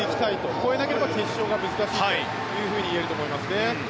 超えなければ決勝が難しいといえると思いますね。